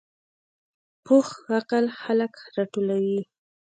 پوخ عقل خلک راټولوي